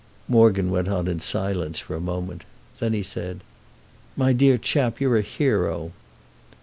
Morgan went on in silence for a moment. Then he said: "My dear chap, you're a hero!"